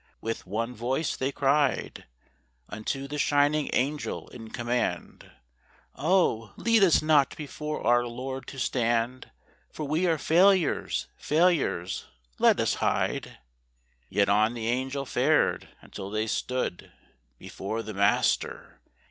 With one voice they cried Unto the shining Angel in command: 'Oh, lead us not before our Lord to stand, For we are failures, failures! Let us hide.' Yet on the Angel fared, until they stood Before the Master.